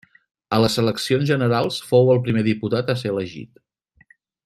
A les eleccions generals fou el primer diputat a ser elegit.